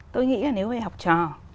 tôi nghĩ là nếu về học trò